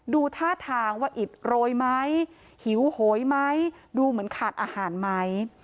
ดูท่าทางว่าอิดโรยไหมหิวโหยไหมดูเหมือนขาดอาหารไหม